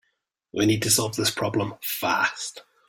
We need to solve this problem fast.